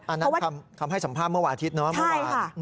อันนั้นคำให้สัมภาพเมื่อวาทิตย์เนอะ